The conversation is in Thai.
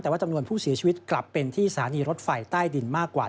แต่ว่าจำนวนผู้เสียชีวิตกลับเป็นที่สถานีรถไฟใต้ดินมากกว่า